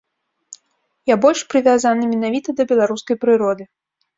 Я больш прывязаны менавіта да беларускай прыроды.